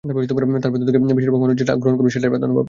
তার ভেতর থেকে বেশির ভাগ মানুষ যেটা গ্রহণ করবে সেটাই প্রাধান্য পাবে।